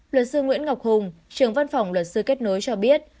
luật sư nguyễn ngọc hùng trưởng văn phòng luật sư kết nối cho biết